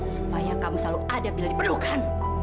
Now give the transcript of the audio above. supaya kamu selalu ada bila diperlukan